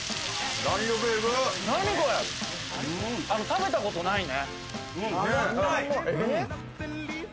食べたことないね。